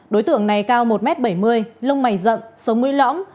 đối tượng này cao một m bảy mươi lông mày rậm sống mũi lõm